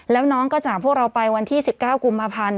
แล้วน้องก็จากพวกเราไปวันที่๑๙กุมภาพันธ์